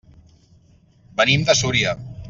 Venim de Súria.